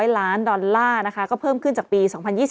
ล้านดอลลาร์นะคะก็เพิ่มขึ้นจากปี๒๐๒๐